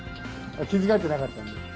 気付かれてなかったんで。